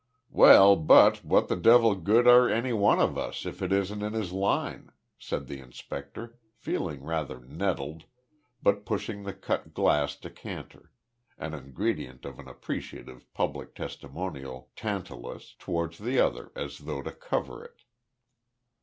"Well, but what the devil good are any one of us if it isn't in his line?" said the inspector, feeling rather nettled, but pushing the cut glass decanter an ingredient of an appreciative public testimonial Tantalus towards the other as though to cover it.